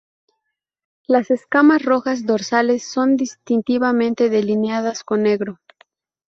Las escamas rojas dorsales son distintivamente delineadas con negro.